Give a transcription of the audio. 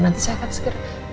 nanti saya akan segera